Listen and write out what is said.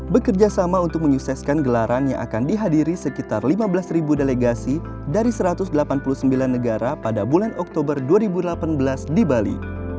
bekerja sama untuk menyukseskan gelaran yang akan dihadiri sekitar lima belas delegasi dari satu ratus delapan puluh sembilan negara pada bulan oktober dua ribu delapan belas di bali